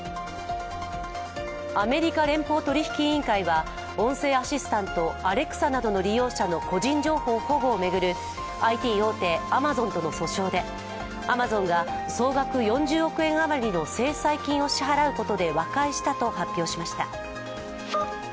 アメリカ連邦取引委員会は、音声アシスタント、アレクサなどの利用者の個人情報保護を巡るＩＴ大手Ａｍａｚｏｎとの訴訟でＡｍａｚｏｎが総額４０億円余りの制裁金を支払うことで和解したと発表しました。